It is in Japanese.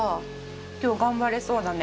今日頑張れそうだね。